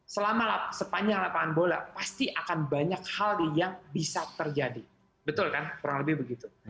selama sepanjang lapangan bola pasti akan banyak hal yang bisa terjadi betul kan kurang lebih begitu